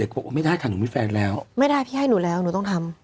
เขาบอกไม่ได้ค่ะหนูมีแฟนแล้วไม่ได้พี่ให้หนูแล้วหนูต้องทำ